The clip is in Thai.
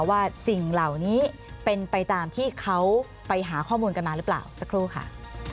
สิ่งเหล่านี้เป็นไปตามที่เขาไปหาข้อมูลกันมาหรือเปล่าสักครู่ค่ะ